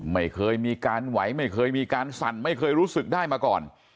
ไม่เคยมีการไหวไม่เคยมีการสั่นไม่เคยรู้สึกได้มาก่อน